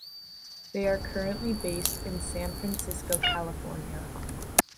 They are currently based in San Francisco, California.